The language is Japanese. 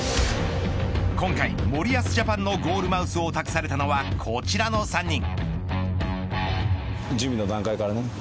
今回森保ジャパンのゴールマウスを託されたのはこちらの３人。